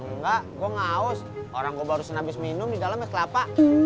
nggak gue ngaus orang gue baru senabis minum di dalam ya kelapa